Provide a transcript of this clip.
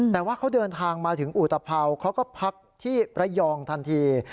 แต่ว่าเขาเดินทางมาถึงอุตภัวเขาก็พักที่ระยองทันที